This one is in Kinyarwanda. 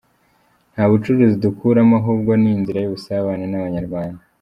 Nta bucuruzi dukuramo ahubwo ni inzira y’ubusabane n’Abanyarwanda.